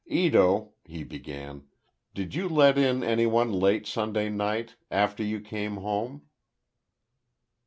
"Ito," he began, "did you let in any one late Sunday night—after you came home?"